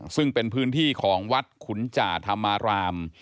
ซึ่งเป็นพื้นที่ของวัดขุนจ่าธรรมราม